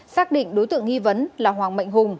xác định đối tượng nghi vấn là hoàng mạnh hùng